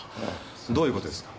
どういうことですか？